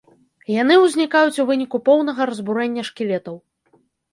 Яны ўзнікаюць у выніку поўнага разбурэння шкілетаў.